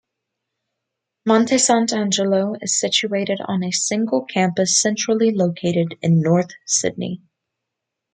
Monte Sant' Angelo is situated on a single campus centrally located in North Sydney.